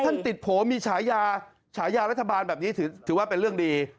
ท่านติดโผล่มีฉายาฉายารัฐบาลแบบนี้ถือว่าเป็นเรื่องดี